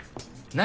何？